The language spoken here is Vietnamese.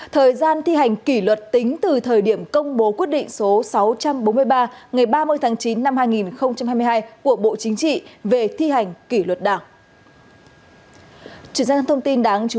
thời gian thi hành kỷ luật tính từ thời điểm công bố quyết định số sáu trăm bốn mươi ba ngày ba mươi tháng chín năm hai nghìn hai mươi hai của bộ chính trị về thi hành kỷ luật đảng